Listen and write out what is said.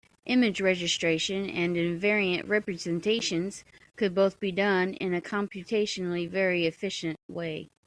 Image registration and invariant representations could both be done in a computationally very efficient way.